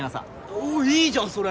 おいいじゃんそれ。